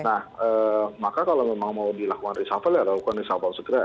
nah maka kalau memang mau dilakukan reshuffle ya lakukan reshuffle segera